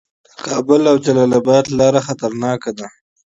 د کابل او جلال اباد لاره خطرناکه ده